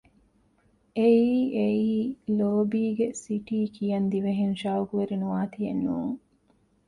އެއީ އެއީ ލޯބީގެ ސިޓީ ކިޔަން ދިވެހިން ޝައުގުވެރި ނުވާތީއެއް ނޫން